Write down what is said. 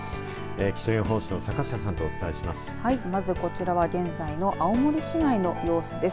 気象予報士の坂下さんとお伝えします。